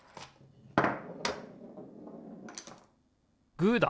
グーだ！